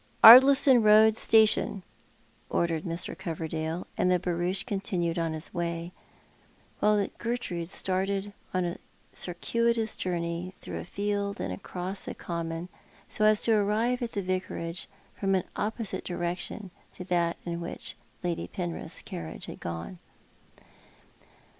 "Ardliston Eoad station," ordered Mr. Covcrdale, and the barouche continued its way, while Gertrude started on a cir cuitous journey through a field and across a common, so as to arrive at the Vicarage from an ojtposite direction to that in which Lady Penrith's carri; ige had gone.